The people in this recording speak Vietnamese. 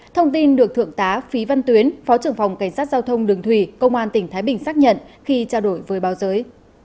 thông tin được thượng tá phí văn tuyến phó trưởng phòng cảnh sát giao thông đường thủy công an tỉnh thái bình xác nhận khi trao đổi với báo giới